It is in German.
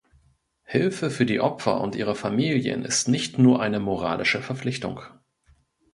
Hilfe für die Opfer und ihre Familien ist nicht nur eine moralische Verpflichtung.